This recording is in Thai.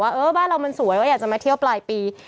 เออบ้านเรามันสวยว่าอยากจะมาเที่ยวปลายปี